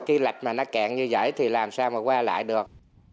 cái lạch mà nó kẹn như vậy thì làm sao mà qua lại được